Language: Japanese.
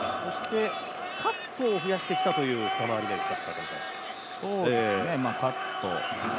カットを増やしてきたという二回り目ですか。